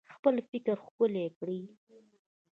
خپل فکر ښکلی کړئ